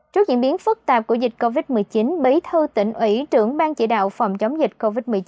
trước diễn biến phức tạp của dịch covid một mươi chín bí thư tỉnh ủy trưởng ban chỉ đạo phòng chống dịch covid một mươi chín